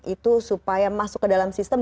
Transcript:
itu supaya masuk ke dalam sistem